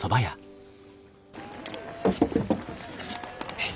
はい。